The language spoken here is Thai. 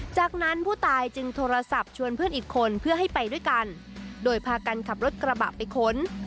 จากนั้นผู้ตายจึงโทรศัพท์ชวนเพื่อนอีกคนเพื่อให้ไปด้วยกันโดยพากันขับรถกระบะไปค้น